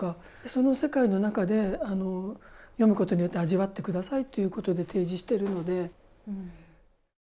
その世界の中で読むことによって味わってくださいということで提示してるので。